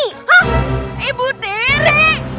hah ibu tiri